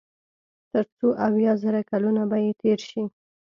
تر څو اويا زره کلونه به ئې تېر شي